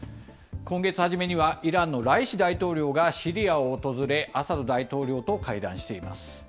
今月初めには、イランのライシ大統領がシリアを訪れ、アサド大統領と会談しています。